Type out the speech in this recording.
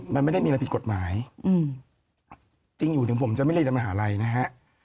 มันไม่ได้มีอะไรผิดกฎหมายจริงอยู่ถึงผมจะไม่เรียนในมหาลัยนะฮะ